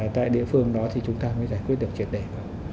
tại địa phương đó thì chúng ta mới giải quyết được chuyện này